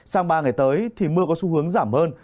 sang ba ngày tới thì mưa có xu hướng giảm hơn